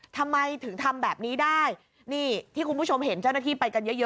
ทำไมถึงทำแบบนี้ได้นี่ที่คุณผู้ชมเห็นเจ้าหน้าที่ไปกันเยอะเยอะ